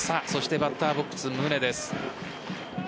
バッターボックス、宗です。